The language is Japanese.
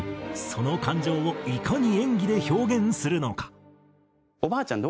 その感情をいかに演技で表現するのか。